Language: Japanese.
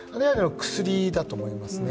薬だと思いますね。